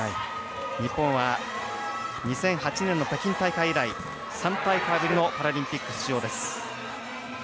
日本は２００８年の北京大会以来３大会ぶりのパラリンピック出場。